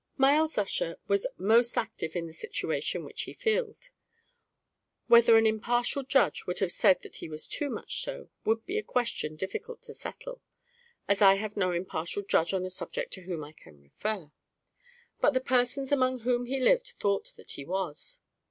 Myles Ussher was most active in the situation which he filled; whether an impartial judge would have said that he was too much so, would be a question difficult to settle, as I have no impartial judge on the subject to whom I can refer; but the persons among whom he lived thought that he was.